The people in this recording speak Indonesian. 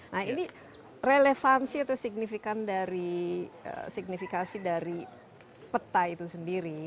nah ini relevansi atau signifikan dari peta itu sendiri